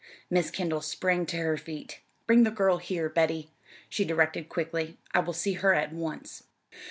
'" Miss Kendall sprang to her feet. "Bring the girl here, Betty," she directed quickly. "I will see her at once."